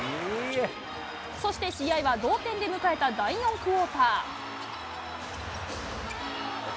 そして試合は、同点で迎えた第４クオーター。